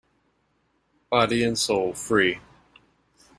Body and soul free.